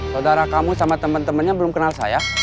saudara kamu sama temen temennya belum kenal saya